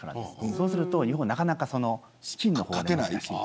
そうすると日本はなかなか資金を割けない。